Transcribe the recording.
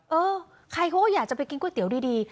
เออใครเขาก็อยากจะไปกินก๋วยเตี๋ยวดี